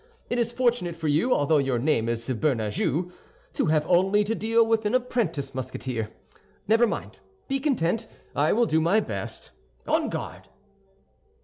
It is fortunate for you, although your name is Bernajoux, to have only to deal with an apprentice Musketeer. Never mind; be content, I will do my best. On guard!"